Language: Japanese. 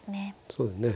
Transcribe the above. そうですね。